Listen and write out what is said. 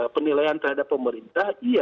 penilaian terhadap pemerintah iya